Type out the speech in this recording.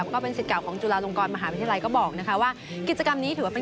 ก็เป็นสิทธิ์เก่าของจุลาลงกรมหาวิทยาลัย